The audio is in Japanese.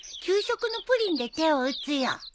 給食のプリンで手を打つよ。